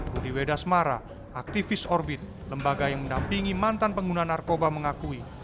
budi wedasmara aktivis orbit lembaga yang mendampingi mantan pengguna narkoba mengakui